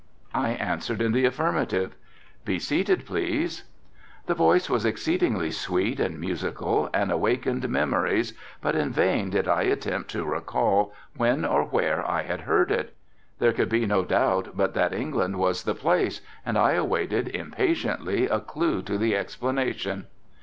I answered in the affirmative. "Be seated, please." The voice was exceedingly sweet and musical and awakened memories, but in vain did I attempt to recall when or where I had heard it. There could be no doubt but that England was the place and I awaited impatiently a clue to the explanation.